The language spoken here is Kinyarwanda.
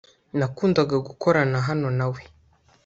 nakundaga gukorana hano nawe